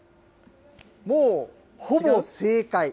もう、ほぼ正解。